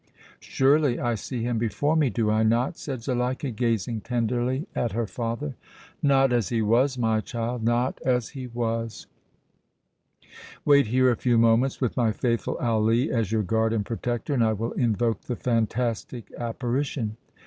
"Surely, I see him before me, do I not?" said Zuleika, gazing tenderly at her father. "Not as he was, my child, not as he was. Wait here a few moments, with my faithful Ali as your guard and protector, and I will invoke the fantastic apparition!"